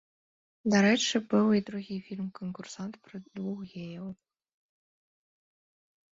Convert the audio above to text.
Дарэчы, быў і другі фільм-канкурсант пра двух геяў.